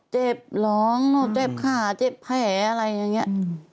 เจ็บร้องหนูเจ็บขาเจ็บแผลอะไรอย่างนี้